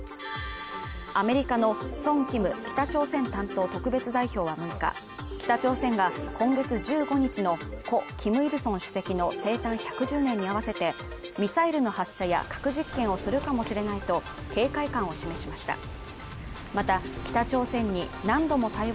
アメリカのソン・キム北朝鮮担当特別代表は６日北朝鮮が今月１５日の故キム・イルソン主席の生誕１１０年に合わせてミサイルの発射や核実験をするかもしれないと警戒感を示しました